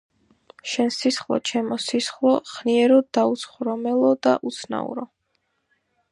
შენ სისხლო ჩემოსისხლო ხნიერო, დაუცხრომელო და უცნაურო...